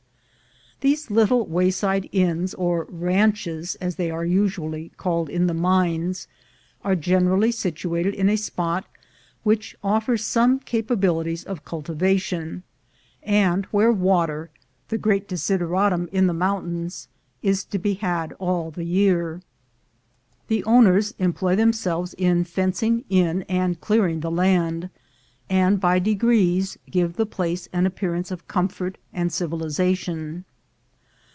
These little wayside inns, or "ranches," as they are usually called in the mines, are generally situated in a spot which offers some capabilities of cultivation, and where water, the great desideratum in the moun tains, is to be had all the year. The owners employ themselves in fencing in and clearing the land, and by degrees give the place an appearance of comfort and civilization.